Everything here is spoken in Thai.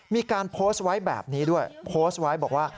มีการโพสต์ไว้แบบนี้ด้วยโพสต์ไว้บอกว่า